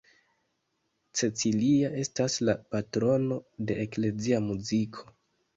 Cecilia estas la patrono de eklezia muziko.